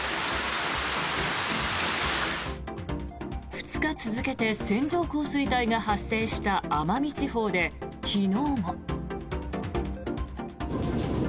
２日続けて線状降水帯が発生した奄美地方で昨日も。